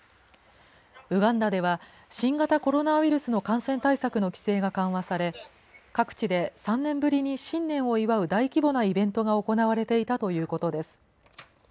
ウガンダでは、新型コロナウイルスの感染対策の規制が緩和され、各地で３年ぶりに新年を祝う大規模なイベントが行われていたということです。